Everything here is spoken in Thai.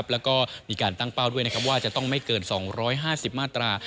แล้วก็มีการตั้งเป้าด้วยว่าจะต้องไม่เกิน๒๕๐มาตรา